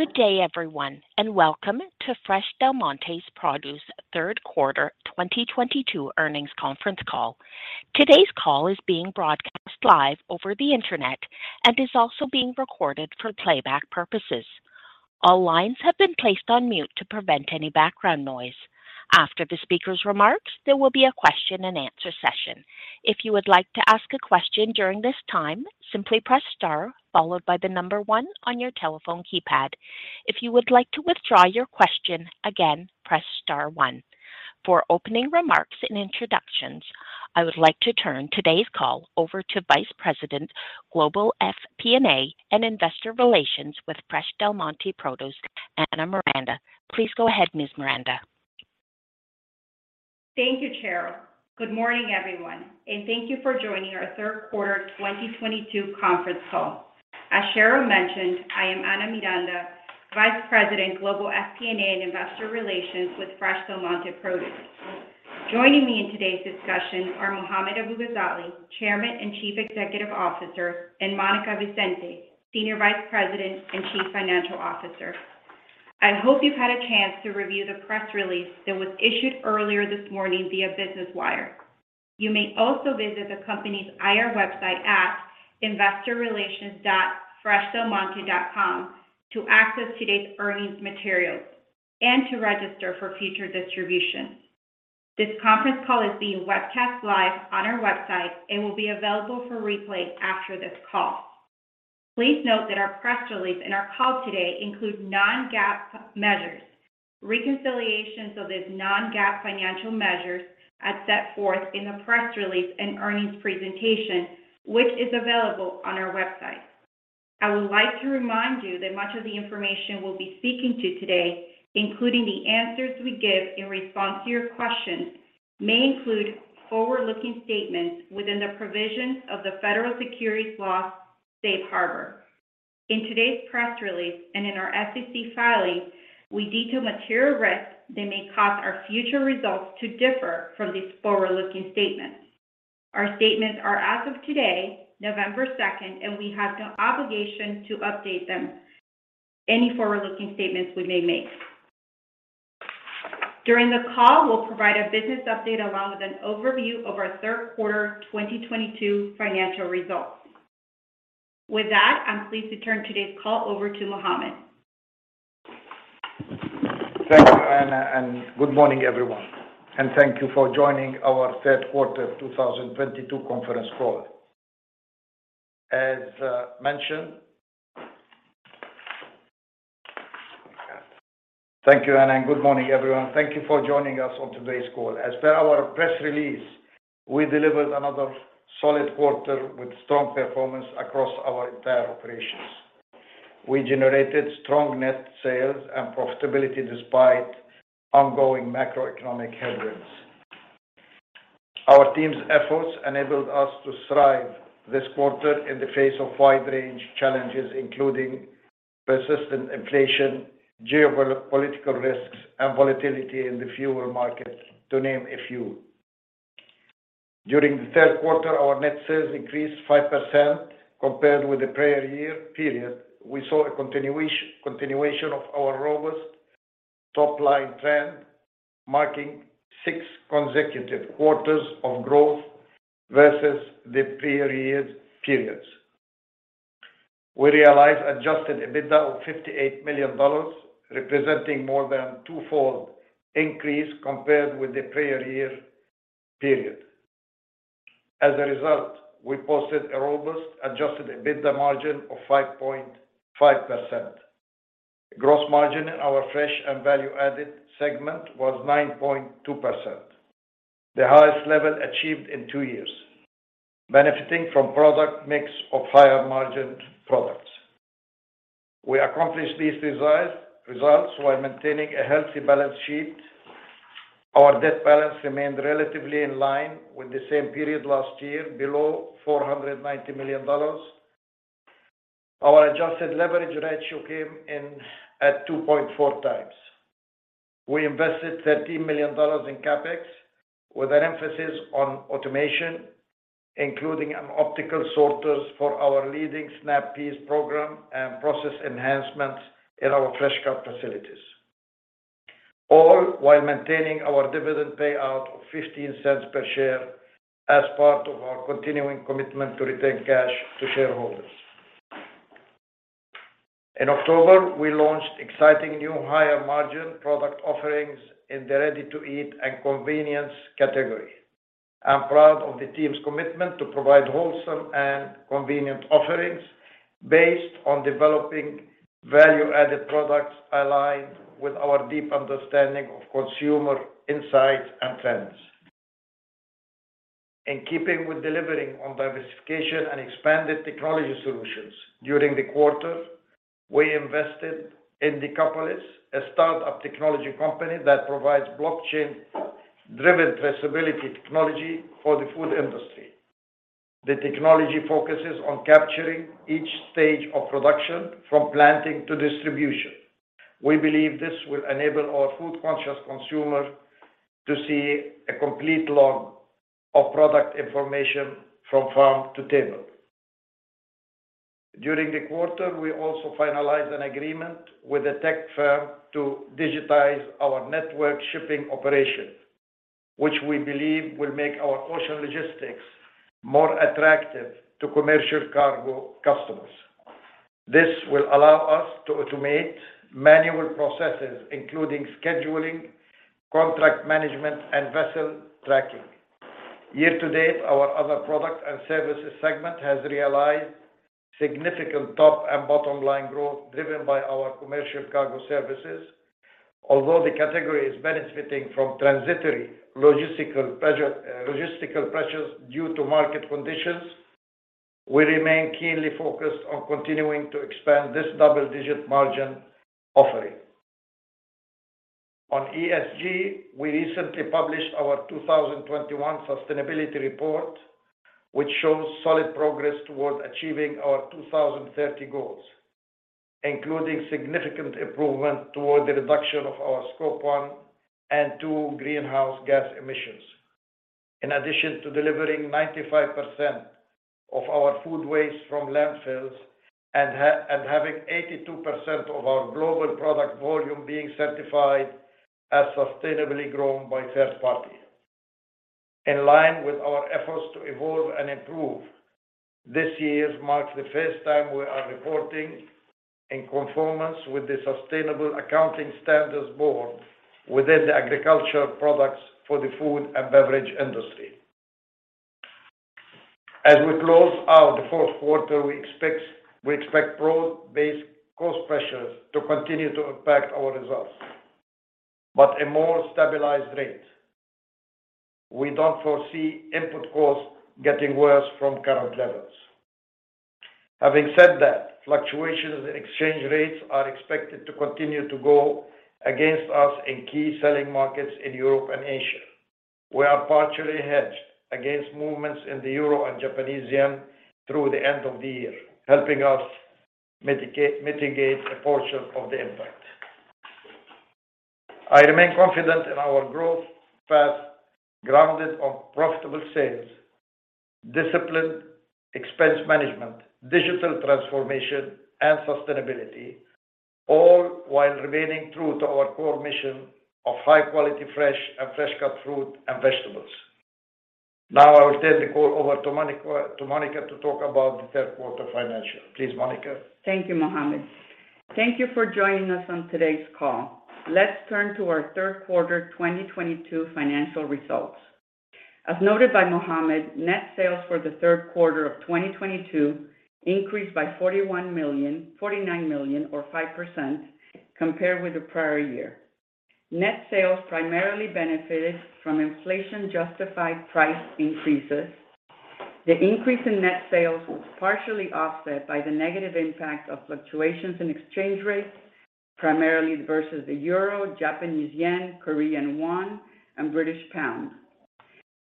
Good day, everyone, and welcome to Fresh Del Monte Produce third quarter 2022 earnings conference call. Today's call is being broadcast live over the Internet and is also being recorded for playback purposes. All lines have been placed on mute to prevent any background noise. After the speaker's remarks, there will be a question-and-answer session. If you would like to ask a question during this time, simply press star followed by the number one on your telephone keypad. If you would like to withdraw your question, again, press star one. For opening remarks and introductions, I would like to turn today's call over to Vice President, Global FP&A and Investor Relations with Fresh Del Monte Produce, Ana Miranda. Please go ahead, Ms. Miranda. Thank you, Cheryl. Good morning, everyone, and thank you for joining our third quarter 2022 conference call. As Cheryl mentioned, I am Ana Miranda, Vice President, Global FP&A and Investor Relations with Fresh Del Monte Produce. Joining me in today's discussion are Mohammad Abu-Ghazaleh, Chairman and Chief Executive Officer, and Monica Vicente, Senior Vice President and Chief Financial Officer. I hope you've had a chance to review the press release that was issued earlier this morning via Business Wire. You may also visit the company's IR website at investorrelations.freshdelmonte.com to access today's earnings materials and to register for future distributions. This conference call is being webcast live on our website and will be available for replay after this call. Please note that our press release and our call today include Non-GAAP measures. Reconciliations of these Non-GAAP financial measures are set forth in the press release and earnings presentation, which is available on our website. I would like to remind you that much of the information we'll be speaking to today, including the answers we give in response to your questions, may include forward-looking statements within the provisions of the Federal Securities Law Safe Harbor. In today's press release and in our SEC filings, we detail material risks that may cause our future results to differ from these forward-looking statements. Our statements are as of today, November second, and we have no obligation to update them or any forward-looking statements we may make. During the call, we'll provide a business update along with an overview of our third quarter 2022 financial results. With that, I'm pleased to turn today's call over to Mohammad. Thank you, Ana, and good morning, everyone. Thank you for joining us on today's call. As per our press release, we delivered another solid quarter with strong performance across our entire operations. We generated strong net sales and profitability despite ongoing macroeconomic headwinds. Our team's efforts enabled us to thrive this quarter in the face of wide range challenges, including persistent inflation, geopolitical risks, and volatility in the fuel market, to name a few. During the third quarter, our net sales increased 5% compared with the prior year period. We saw a continuation of our robust top-line trend, marking six consecutive quarters of growth versus the prior years' periods. We realized adjusted EBITDA of $58 million, representing more than 2-fold increase compared with the prior year period. As a result, we posted a robust adjusted EBITDA margin of 5.5%. Gross margin in our fresh and value-added segment was 9.2%, the highest level achieved in 2-years, benefiting from product mix of higher margined products. We accomplished these results while maintaining a healthy balance sheet. Our debt balance remained relatively in line with the same period last year, below $490 million. Our adjusted leverage ratio came in at 2.4x. We invested $13 million in CapEx with an emphasis on automation, including optical sorters for our leading snap peas program and process enhancements in our fresh cut facilities. All while maintaining our dividend payout of $0.15 per share as part of our continuing commitment to return cash to shareholders. In October, we launched exciting new higher-margin product offerings in the ready-to-eat and convenience category. I'm proud of the team's commitment to provide wholesome and convenient offerings based on developing value-added products aligned with our deep understanding of consumer insights and trends. In keeping with delivering on diversification and expanded technology solutions, during the quarter, we invested in Decapolis, a start-up technology company that provides blockchain-driven traceability technology for the food industry. The technology focuses on capturing each stage of production from planting to distribution. We believe this will enable our food conscious consumer to see a complete log of product information from farm to table. During the quarter, we also finalized an agreement with a tech firm to digitize our Network Shipping operation, which we believe will make our ocean logistics more attractive to commercial cargo customers. This will allow us to automate manual processes, including scheduling, contract management, and vessel tracking. Year to date, our Other Products and Services segment has realized significant top and bottom line growth, driven by our commercial cargo services. Although the category is benefiting from transitory logistical pressure, logistical pressures due to market conditions, we remain keenly focused on continuing to expand this double-digit margin offering. On ESG, we recently published our 2021 sustainability report, which shows solid progress towards achieving our 2030 goals, including significant improvement toward the reduction of our Scope 1 and Scope 2 greenhouse gas emissions. In addition to delivering 95% of our food waste from landfills and having 82% of our global product volume being certified as sustainably grown by third party. In line with our efforts to evolve and improve, this year marks the first time we are reporting in conformance with the Sustainability Accounting Standards Board within the agricultural products for the food and beverage industry. As we close out the fourth quarter, we expect broad-based cost pressures to continue to impact our results, but a more stabilized rate. We don't foresee input costs getting worse from current levels. Having said that, fluctuations in exchange rates are expected to continue to go against us in key selling markets in Europe and Asia. We are partially hedged against movements in the euro and Japanese Yen through the end of the year, helping us mitigate a portion of the impact. I remain confident in our growth path, grounded on profitable sales, disciplined expense management, digital transformation, and sustainability, all while remaining true to our core mission of high quality, fresh and fresh cut fruit and vegetables. Now I will turn the call over to Monica to talk about the third quarter financials. Please, Monica. Thank you, Mohammad. Thank you for joining us on today's call. Let's turn to our third quarter 2022 financial results. As noted by Mohammad, net sales for the third quarter of 2022 increased by $49 million or 5% compared with the prior year. Net sales primarily benefited from inflation justified price increases. The increase in net sales was partially offset by the negative impact of fluctuations in exchange rates, primarily versus the euro, Japanese yen, Korean won, and British pound.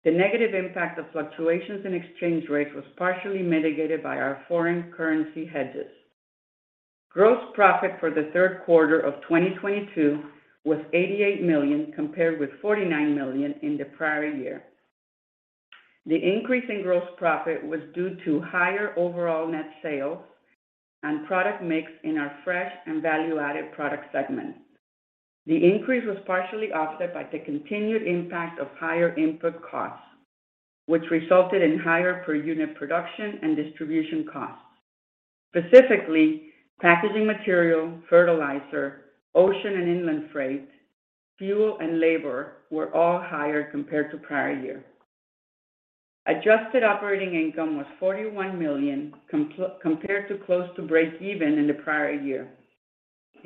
The negative impact of fluctuations in exchange rates was partially mitigated by our foreign currency hedges. Gross profit for the third quarter of 2022 was $88 million, compared with $49 million in the prior year. The increase in gross profit was due to higher overall net sales and product mix in our fresh and value-added products segment. The increase was partially offset by the continued impact of higher input costs, which resulted in higher per unit production and distribution costs. Specifically, packaging material, fertilizer, ocean and inland freight, fuel and labor were all higher compared to prior year. Adjusted operating income was $41 million compared to close to breakeven in the prior year.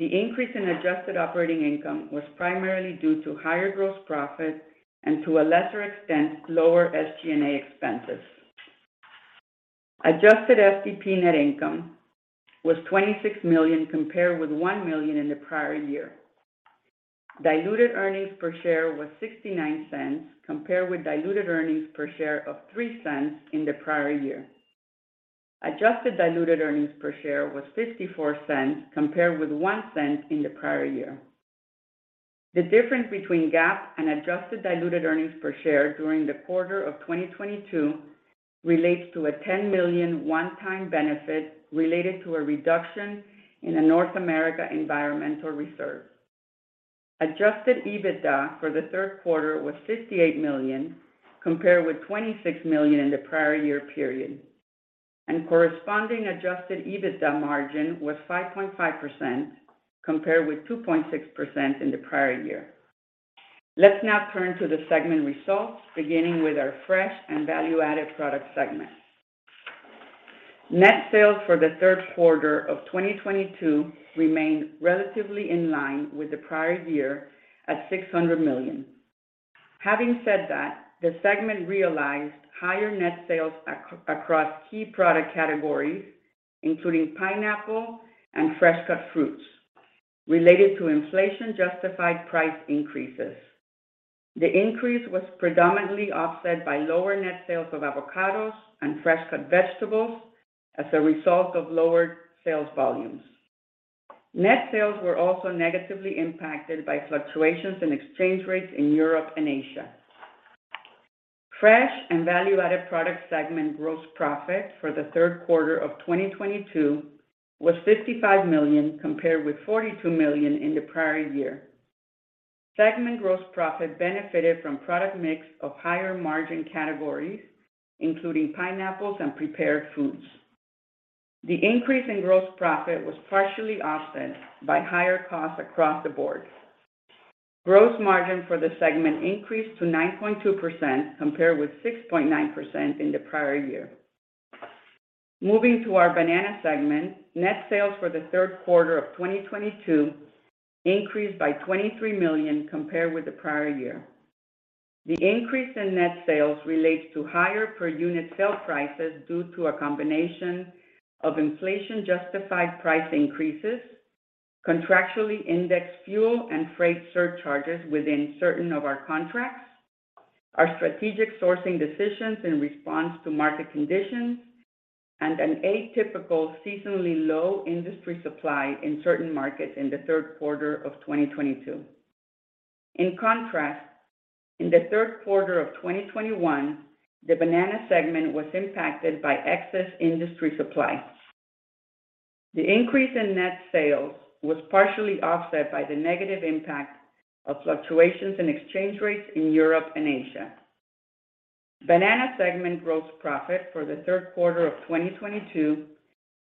The increase in adjusted operating income was primarily due to higher gross profit and to a lesser extent, lower SG&A expenses. Adjusted FDP net income was $26 million, compared with $1 million in the prior year. Diluted earnings per share was $0.69, compared with diluted earnings per share of $0.03 in the prior year. Adjusted diluted earnings per share was $0.54 compared with $0.01 in the prior year. The difference between GAAP and adjusted diluted earnings per share during the quarter of 2022 relates to a $10 million one-time benefit related to a reduction in the North America environmental reserve. Adjusted EBITDA for the third quarter was $58 million, compared with $26 million in the prior year period, and corresponding adjusted EBITDA margin was 5.5% compared with 2.6% in the prior year. Let's now turn to the segment results, beginning with our fresh and value-added products segment. Net sales for the third quarter of 2022 remained relatively in line with the prior year at $600 million. Having said that, the segment realized higher net sales across key product categories including pineapple and fresh cut fruits related to inflation justified price increases. The increase was predominantly offset by lower net sales of avocados and fresh cut vegetables as a result of lowered sales volumes. Net sales were also negatively impacted by fluctuations in exchange rates in Europe and Asia. Fresh and value-added product segment gross profit for the third quarter of 2022 was $55 million, compared with $42 million in the prior year. Segment gross profit benefited from product mix of higher margin categories, including pineapples and prepared foods. The increase in gross profit was partially offset by higher costs across the board. Gross margin for the segment increased to 9.2% compared with 6.9% in the prior year. Moving to our banana segment, net sales for the third quarter of 2022 increased by $23 million compared with the prior year. The increase in net sales relates to higher per unit sale prices due to a combination of inflation-justified price increases, contractually indexed fuel and freight surcharges within certain of our contracts, our strategic sourcing decisions in response to market conditions, and an atypical seasonally low industry supply in certain markets in the third quarter of 2022. In contrast, in the third quarter of 2021, the banana segment was impacted by excess industry supply. The increase in net sales was partially offset by the negative impact of fluctuations in exchange rates in Europe and Asia. Banana segment gross profit for the third quarter of 2022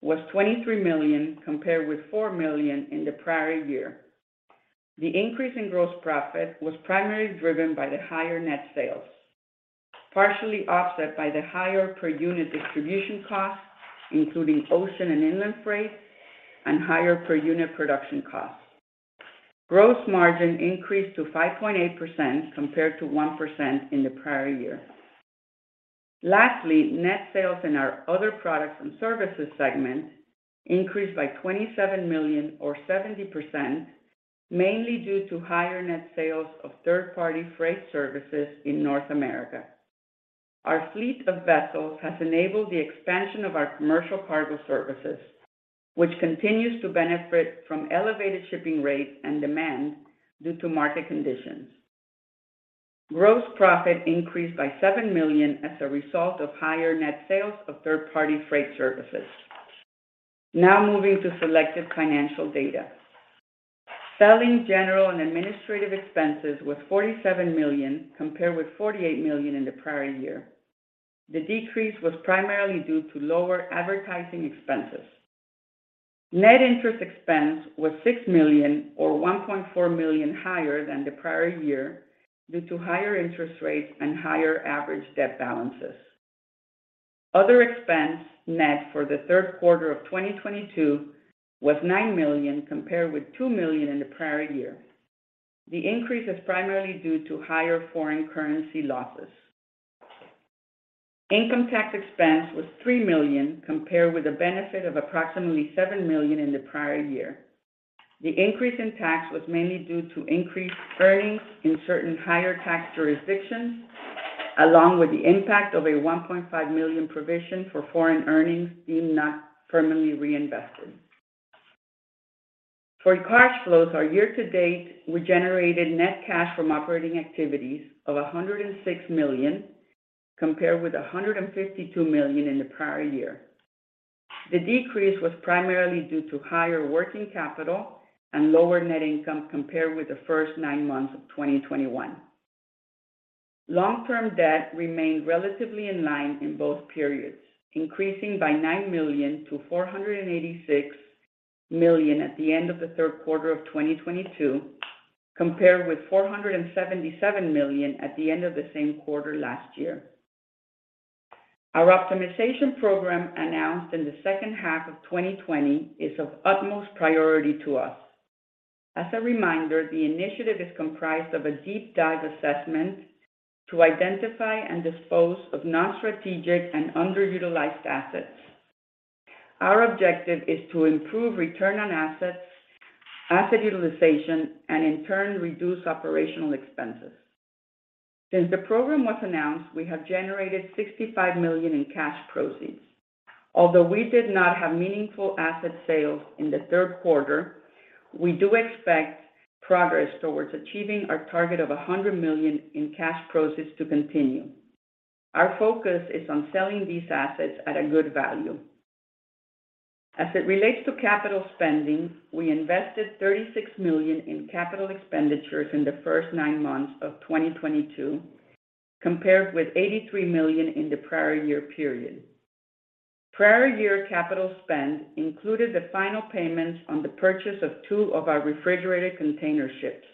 was $23 million, compared with $4 million in the prior year. The increase in gross profit was primarily driven by the higher net sales, partially offset by the higher per unit distribution costs, including ocean and inland freight, and higher per unit production costs. Gross margin increased to 5.8% compared to 1% in the prior year. Lastly, net sales in our Other Products and Services segment increased by $27 million or 70%, mainly due to higher net sales of third-party freight services in North America. Our fleet of vessels has enabled the expansion of our commercial cargo services, which continues to benefit from elevated shipping rates and demand due to market conditions. Gross profit increased by $7 million as a result of higher net sales of third-party freight services. Now moving to selective financial data. Selling, general, and administrative expenses was $47 million, compared with $48 million in the prior year. The decrease was primarily due to lower advertising expenses. Net interest expense was $6 million or $1.4 million higher than the prior year due to higher interest rates and higher average debt balances. Other expense, net for the third quarter of 2022 was $9 million, compared with $2 million in the prior year. The increase is primarily due to higher foreign currency losses. Income tax expense was $3 million, compared with a benefit of approximately $7 million in the prior year. The increase in tax was mainly due to increased earnings in certain higher tax jurisdictions, along with the impact of a $1.5 million provision for foreign earnings deemed not permanently reinvested. For cash flows, year to date, we generated net cash from operating activities of $106 million, compared with $152 million in the prior year. The decrease was primarily due to higher working capital and lower net income compared with the first nine months of 2021. Long-term debt remained relatively in line in both periods, increasing by $9 million to $486 million at the end of the third quarter of 2022, compared with $477 million at the end of the same quarter last year. Our optimization program announced in the second half of 2020 is of utmost priority to us. As a reminder, the initiative is comprised of a deep dive assessment to identify and dispose of non-strategic and underutilized assets. Our objective is to improve return on assets, asset utilization, and in turn, reduce operational expenses. Since the program was announced, we have generated $65 million in cash proceeds. Although we did not have meaningful asset sales in the third quarter, we do expect progress towards achieving our target of $100 million in cash proceeds to continue. Our focus is on selling these assets at a good value. As it relates to capital spending, we invested $36 million in capital expenditures in the first nine months of 2022, compared with $83 million in the prior year period. Prior year capital spend included the final payments on the purchase of 2 of our refrigerated container ships.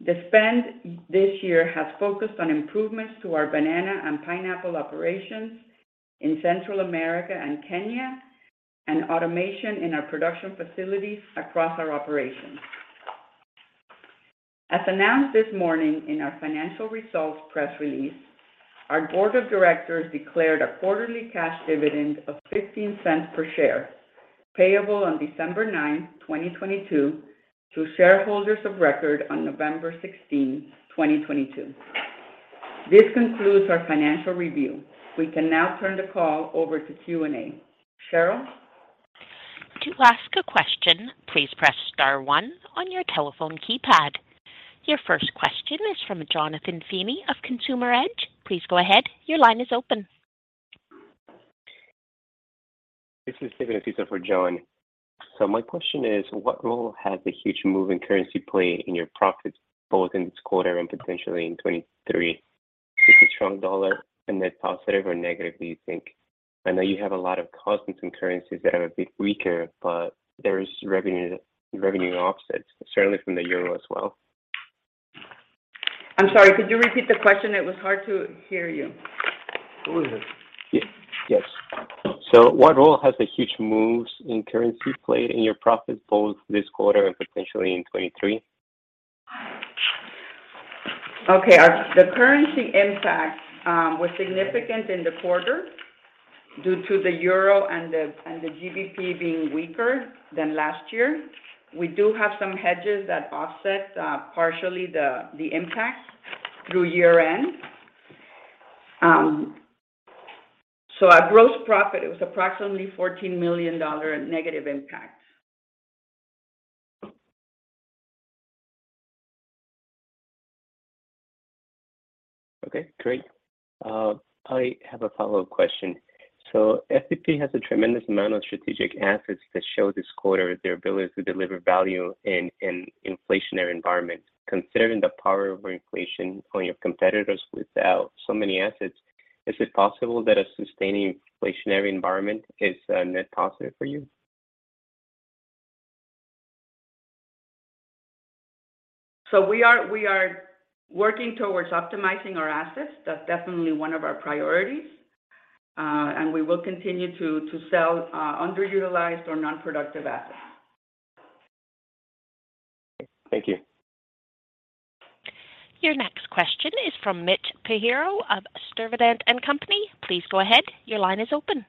The spend this year has focused on improvements to our banana and pineapple operations in Central America and Kenya, and automation in our production facilities across our operations. As announced this morning in our financial results press release, our board of directors declared a quarterly cash dividend of $0.15 per share, payable on December 9, 2022 to shareholders of record on November 16th, 2022. This concludes our financial review. We can now turn the call over to Q&A. Cheryl? To ask a question, please press star one on your telephone keypad. Your first question is from Jonathan Feeney of Consumer Edge. Please go ahead. Your line is open. This is David Assia for John. My question is, what role has the huge move in currency played in your profits, both in this quarter and potentially in 2023? Is the strong dollar a net positive or negative, do you think? I know you have a lot of costs in currencies that are a bit weaker, but there is revenue offsets, certainly from the euro as well. I'm sorry. Could you repeat the question? It was hard to hear you. Go ahead. Yes. What role has the huge moves in currency played in your profits both this quarter and potentially in 2023? The currency impact was significant in the quarter due to the euro and the GBP being weaker than last year. We do have some hedges that offset partially the impact through year-end. At gross profit, it was approximately $14 million negative impact. Okay, great. I have a follow-up question. FDP has a tremendous amount of strategic assets that show this quarter their ability to deliver value in an inflationary environment. Considering the power of inflation on your competitors without so many assets, is it possible that a sustaining inflationary environment is a net positive for you? We are working towards optimizing our assets. That's definitely one of our priorities. We will continue to sell underutilized or non-productive assets. Thank you. Your next question is from Mitch Pinheiro of Sturdivant & Company. Please go ahead. Your line is open.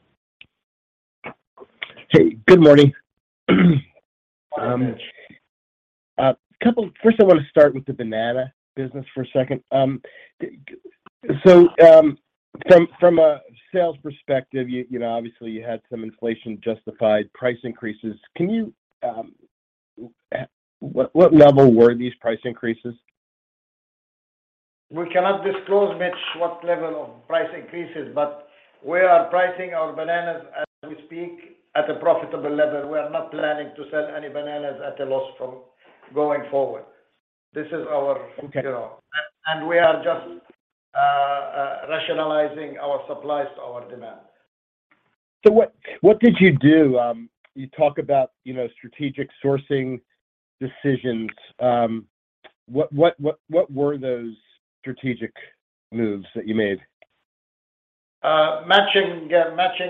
Hey, good morning. First, I want to start with the banana business for a second. From a sales perspective, you know, obviously you had some inflation-justified price increases. Can you? What level were these price increases? We cannot disclose, Mitch, what level of price increases, but we are pricing our bananas as we speak at a profitable level. We are not planning to sell any bananas at a loss from going forward. Okay. You know. We are just rationalizing our supplies to our demand. What did you do? You talk about, you know, strategic sourcing decisions. What were those strategic moves that you made? Matching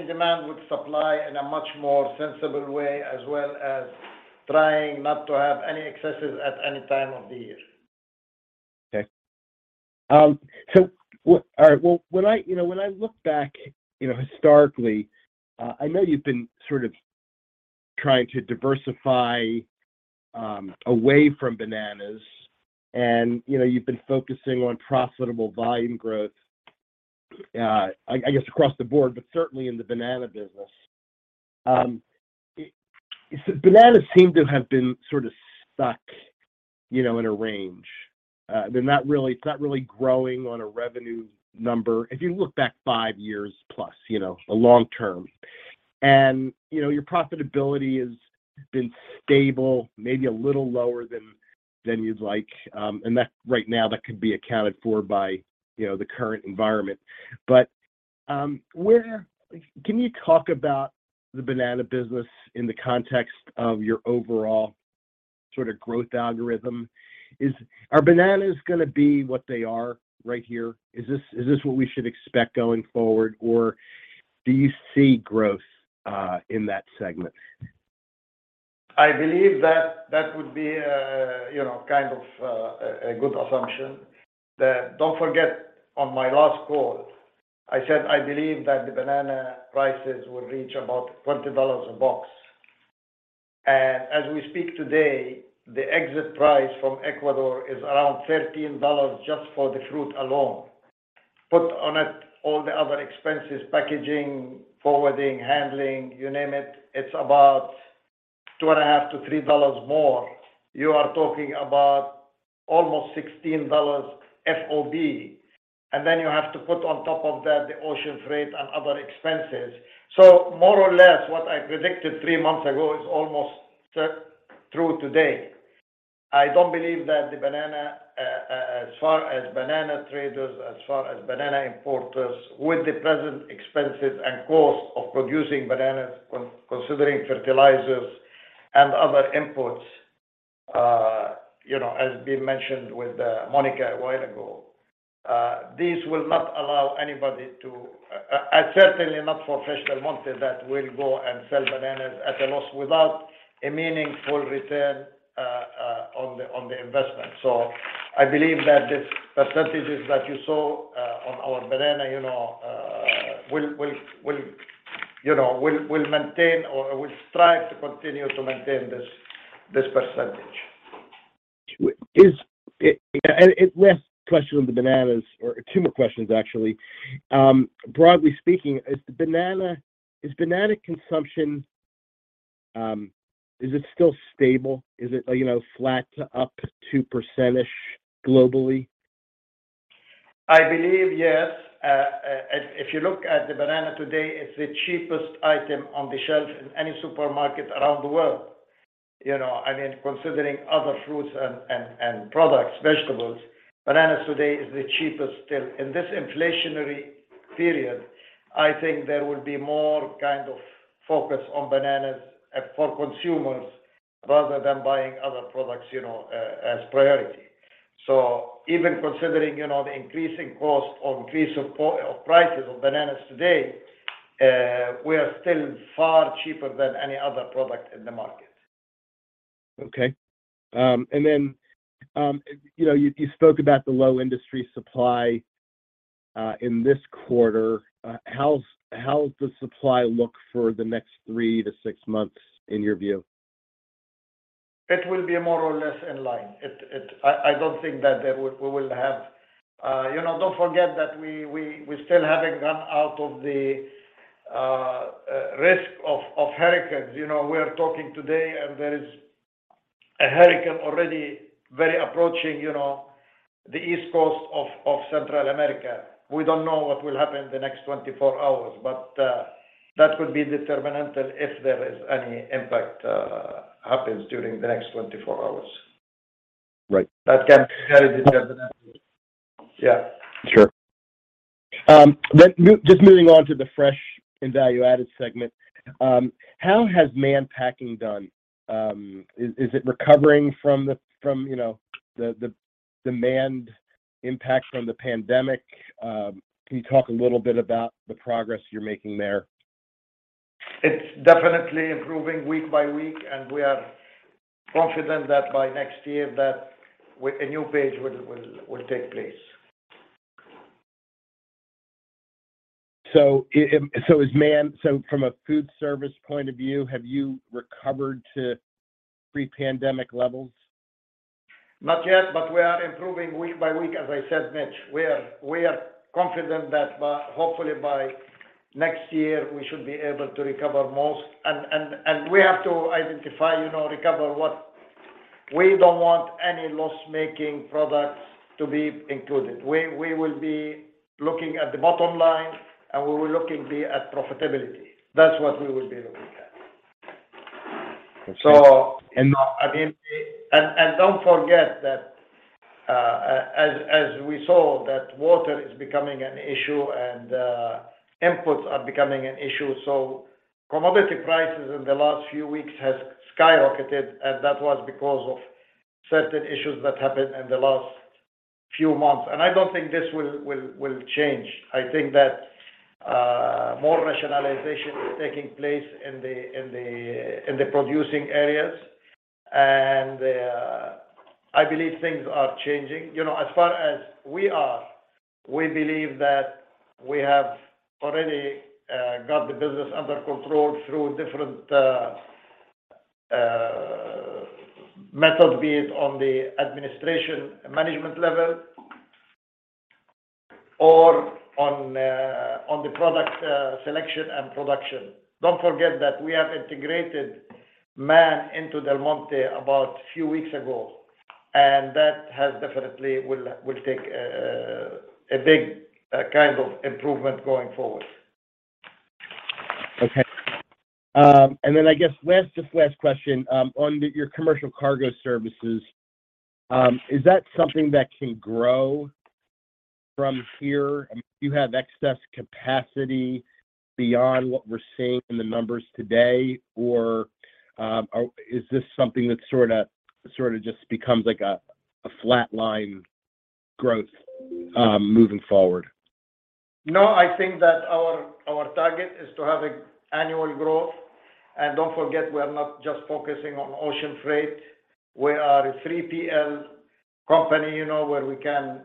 demand with supply in a much more sensible way, as well as trying not to have any excesses at any time of the year. Well, when I, you know, when I look back, you know, historically, I know you've been sort of trying to diversify away from bananas and, you know, you've been focusing on profitable volume growth, I guess across the board, but certainly in the banana business. Bananas seem to have been sort of stuck, you know, in a range. It's not really growing on a revenue number. If you look back five years plus, you know, a long term. Your profitability has been stable, maybe a little lower than you'd like. That right now could be accounted for by, you know, the current environment. Can you talk about the banana business in the context of your overall sort of growth algorithm? Are bananas gonna be what they are right here? Is this what we should expect going forward? Or do you see growth in that segment? I believe that would be, you know, kind of, a good assumption. Don't forget, on my last call, I said I believe that the banana prices will reach about $20 a box. As we speak today, the exit price from Ecuador is around $13 just for the fruit alone. Put on it all the other expenses, packaging, forwarding, handling, you name it's about $2.50-$3 more. You are talking about almost $16 FOB. Then you have to put on top of that the ocean freight and other expenses. More or less what I predicted three months ago is almost true today. I don't believe that the banana, as far as banana traders, as far as banana importers, with the present expenses and costs of producing bananas considering fertilizers and other inputs, you know, has been mentioned with Monica a while ago, this will not allow anybody to. Certainly not for Fresh Del Monte that will go and sell bananas at a loss without a meaningful return, on the investment. I believe that this percentage that you saw, on our banana, you know, will, you know, we'll maintain or we'll strive to continue to maintain this percentage. Last question on the bananas or two more questions actually. Broadly speaking, is banana consumption still stable? Is it, you know, flat to up 2%-ish globally? I believe yes. If you look at the banana today, it's the cheapest item on the shelf in any supermarket around the world. You know, I mean, considering other fruits and products, vegetables. Bananas today is the cheapest still. In this inflationary period, I think there will be more kind of focus on bananas, for consumers rather than buying other products, you know, as priority. Even considering, you know, the increasing cost or increase of prices of bananas today, we are still far cheaper than any other product in the market. Okay. You know, you spoke about the low industry supply in this quarter. How's the supply look for the next 3 to 6 months in your view? It will be more or less in line. You know, don't forget that we still haven't gone out of the risk of hurricanes. You know, we're talking today, and there is a hurricane already very approaching the east coast of Central America. We don't know what will happen in the next 24 hours. That would be detrimental if there is any impact happens during the next 24 hours. Right. That can be very detrimental. Yeah. Sure. Just moving on to the fresh and value-added segment. How has Mann Packing done? Is it recovering from you know, the demand impact from the pandemic? Can you talk a little bit about the progress you're making there? It's definitely improving week by week, and we are confident that by next year that a new page will take place. From a food service point of view, have you recovered to pre-pandemic levels? Not yet, but we are improving week by week, as I said, Mitch. We are confident that hopefully by next year, we should be able to recover most. We have to identify, you know, recover what. We don't want any loss-making products to be included. We will be looking at the bottom line, and we will be looking at profitability. That's what we will be looking at. Okay. I mean, don't forget that, as we saw, water is becoming an issue and inputs are becoming an issue. Commodity prices in the last few weeks has skyrocketed, and that was because of certain issues that happened in the last few months. I don't think this will change. I think that more rationalization is taking place in the producing areas. I believe things are changing. You know, as far as we are, we believe that we have already got the business under control through different methods, be it on the administration management level or on the product selection and production. Don't forget that we have integrated Mann into Del Monte about a few weeks ago, and that has definitely will take a big kind of improvement going forward. Okay. I guess last, just last question. On your commercial cargo services, is that something that can grow from here? Do you have excess capacity beyond what we're seeing in the numbers today, or is this something that sorta just becomes like a flat line growth, moving forward? No, I think that our target is to have annual growth. Don't forget, we are not just focusing on ocean freight. We are a 3PL company, you know, where we can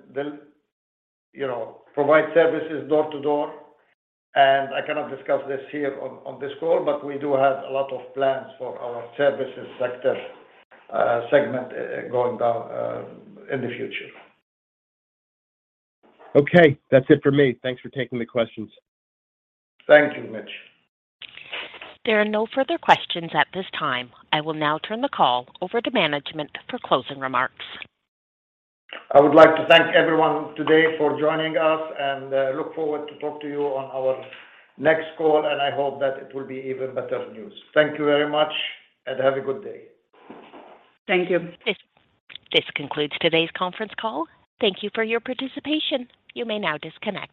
provide services door to door. I cannot discuss this here on this call, but we do have a lot of plans for our services sector segment going down in the future. Okay. That's it for me. Thanks for taking the questions. Thank you, Mitch. There are no further questions at this time. I will now turn the call over to management for closing remarks. I would like to thank everyone today for joining us, and I look forward to talk to you on our next call, and I hope that it will be even better news. Thank you very much, and have a good day. Thank you. This concludes today's conference call. Thank you for your participation. You may now disconnect.